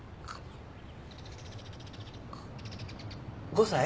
５歳？